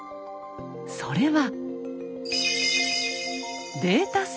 それは。